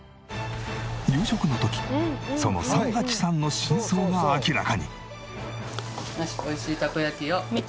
夕食の時その「３８３」の真相が明らかに！